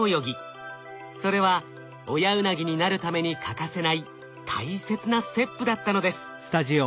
それは親ウナギになるために欠かせない大切なステップだったのです。